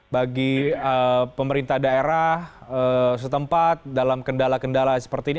bagi pemerintah daerah setempat dalam kendala kendala seperti ini